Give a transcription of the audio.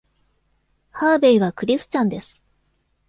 ハーベイはクリスチャンです。